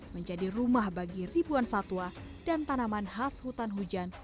menjadi rumah bagi ribuan satwa dan tanaman khas hutan hujan